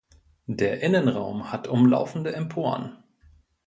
Der Innenraum hat umlaufende Emporen.